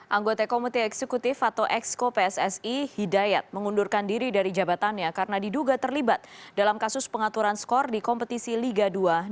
anggota komite eksekutif atau exco pssi hidayat mengundurkan diri dari jabatannya karena diduga terlibat dalam kasus pengaturan skor di kompetisi liga dua dua ribu dua puluh